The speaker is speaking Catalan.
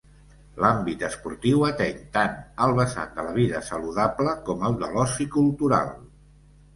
L'àmbit esportiu ateny tant el vessant de la vida saludable com el de l'oci cultural.